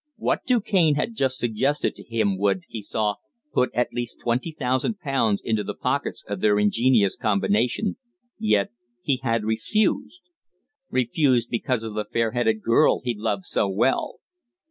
What Du Cane had just suggested to him would, he saw, put at least twenty thousand pounds into the pockets of their ingenious combination, yet he had refused refused because of the fair headed girl he loved so well.